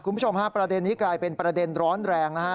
คุณผู้ชมฮะประเด็นนี้กลายเป็นประเด็นร้อนแรงนะฮะ